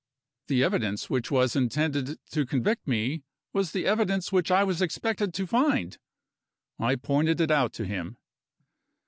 The evidence which was intended to convict me was the evidence which I was expected to find! I pointed it out to him.